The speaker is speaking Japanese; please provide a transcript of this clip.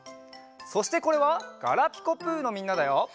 そしてこれは「ガラピコぷ」のみんなだよ。